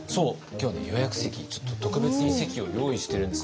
予約席ちょっと特別に席を用意してるんです。